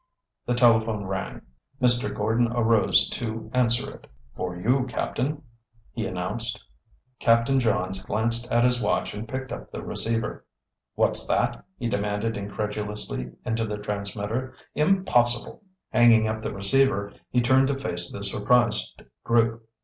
The telephone rang. Mr. Gordon arose to answer it. "For you, Captain," he announced. Captain Johns glanced at his watch and picked up the receiver. "What's that?" he demanded incredulously into the transmitter. "Impossible!" Hanging up the receiver, he turned to face the surprised group.